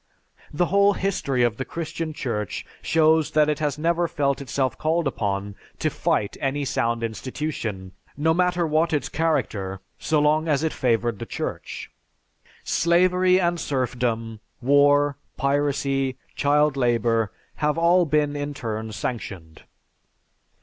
The whole history of the Christian Church shows that it has never felt itself called upon to fight any sound institution, no matter what its character, so long as it favored the Church. Slavery and serfdom, war, piracy, child labor, have all been in turn sanctioned."